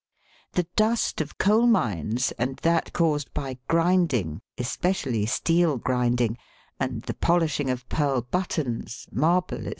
The dust of coal mines and that caused by grinding, especially steel grinding, and the polishing of pearl buttons, marble, &c.